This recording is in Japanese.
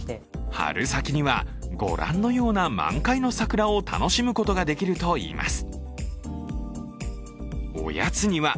春先にはご覧のような満開の桜を楽しむことができるといいます。